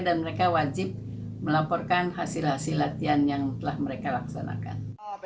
dan mereka wajib melaporkan hasil hasil latihan yang telah mereka laksanakan